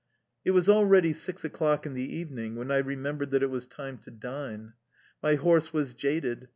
It was already six o'clock in the evening, when I remembered that it was time to dine. My horse was jaded.